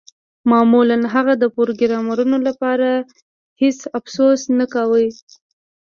معمولاً هغه د پروګرامرانو لپاره هیڅ افسوس نه کاوه